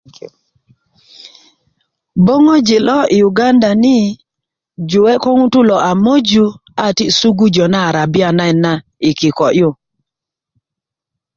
böŋöji lo i uganda ni juwe ko ŋutu lo a möju a ti i sugujö na arabia nait na i kiko yu